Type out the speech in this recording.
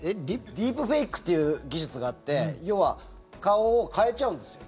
ディープフェイクっていう技術があって要は顔を変えちゃうんですよ。